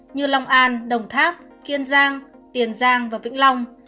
như long an đồng tháp kiên giang tiền giang và vĩnh long